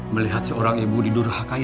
melihat seorang ibu didurhakai